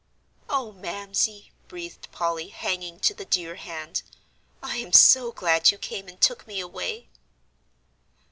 "Oh, Mamsie!" breathed Polly, hanging to the dear hand, "I am so glad you came, and took me away."